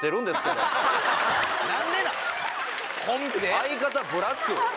相方ブラック？